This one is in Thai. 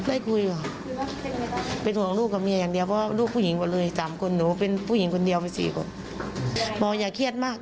อ่าสุดท้ายแล้ววันนี้เดินทางถึงตอนนี้หละครับ